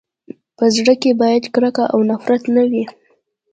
په زړه کي باید کرکه او نفرت نه وي.